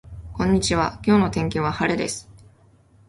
こんにちは今日の天気は晴れです